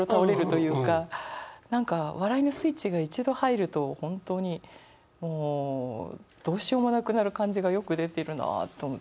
何か笑いのスイッチが一度入ると本当にもうどうしようもなくなる感じがよく出てるなあと思って。